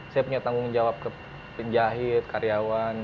saya punya tanggung jawab ke penjahit karyawan